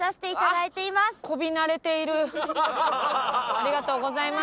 ありがとうございます。